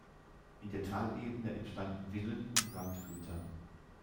In der Talebene entstanden Villen und Landgüter.